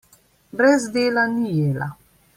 Brez dela ni jela.